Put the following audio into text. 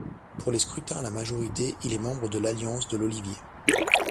Pour les scrutins à la majorité, il est membre de l'alliance de l'Olivier.